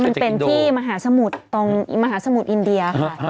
มันเป็นที่มหาสมุทรตรงมหาสมุทรอินเดียค่ะ